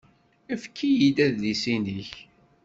Efk-iyi-d adlis-nnek.